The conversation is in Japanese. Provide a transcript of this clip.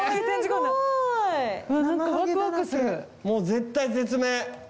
もう絶体絶命。